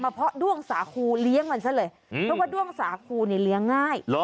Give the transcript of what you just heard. เพราะด้วงสาคูเลี้ยงมันซะเลยเพราะว่าด้วงสาคูเนี่ยเลี้ยงง่าย